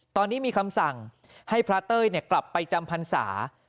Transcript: ตอนนี้มีคำสั่งให้พระเต้ยกลับไปจำพรรษา